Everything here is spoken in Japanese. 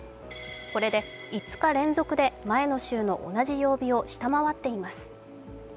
これで５日連続で前の週の同じ曜日を下回っています。